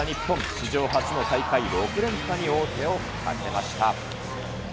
史上初の大会６連覇に王手をかけました。